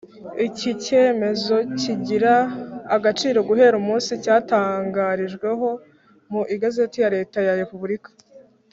Iki cyemezo kigira agaciro guhera umunsi cyatangarijweho mu Igazeti ya Leta ya Repubulika